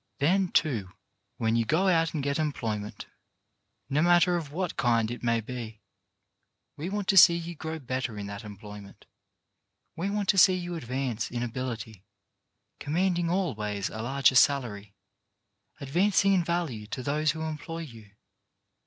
Then, too, when you go out and get employ ment — no matter of what kind it may be — we want to see you grow better in that employment ; we want to see you advance in ability, command ing always a larger salary, advancing in value to those who employ you.